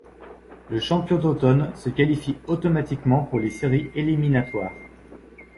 Le champion d'automne se qualifie automatiquement pour les séries éliminatoires.